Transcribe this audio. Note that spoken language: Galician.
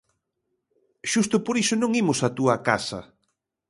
Xusto por iso non imos á túa casa.